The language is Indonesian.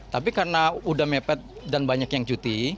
tapi karena udah mepet dan banyak yang cuti